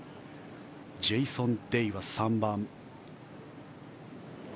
ジェイソン・デイは３番。